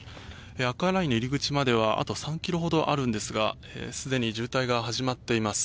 アクアラインの入り口まではあと３ｋｍほどあるんですがすでに渋滞が始まっています。